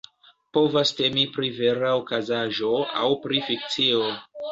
Povas temi pri vera okazaĵo aŭ pri fikcio.